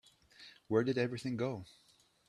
Where did everything go?